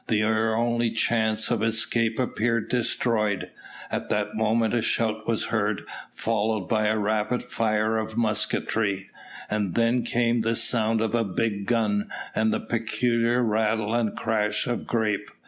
Their only chance of escape appeared destroyed. At that moment a shout was heard, followed by a rapid fire of musketry; and then came the sound of a big gun, and the peculiar rattle and crash of grape.